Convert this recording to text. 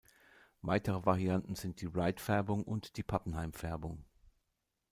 Weitere Varianten sind die Wright-Färbung und die Pappenheim-Färbung.